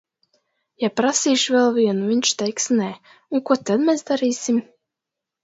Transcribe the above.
Ja prasīšu vēl vienu, viņš teiks nē, un ko tad mēs darīsim?